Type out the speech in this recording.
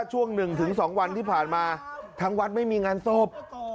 ช่วง๑๒วันที่ผ่านมาทั้งวัดไม่มีงานศพ